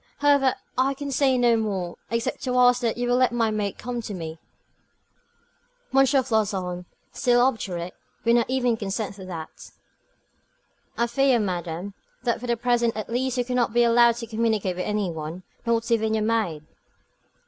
However, I can say no more, except to ask that you will let my maid come to me." M. Floçon, still obdurate, would not even consent to that. "I fear, madame, that for the present at least you cannot be allowed to communicate with any one, not even with your maid."